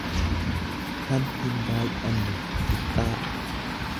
kan hinbaay'anne, xiqqaa.